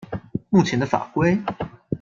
目前的法規